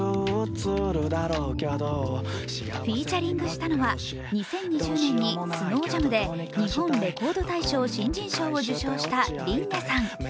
フィーチャリングしたのは２０２０年に「ｓｎｏｗｊａｍ」で日本レコード大賞新人賞を受章したＲｉｎ音さん。